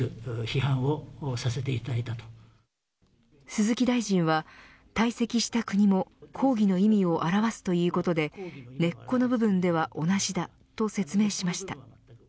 鈴木大臣は退席した国も抗議の意味を表すということで根っこの部分では同じだと説明しました。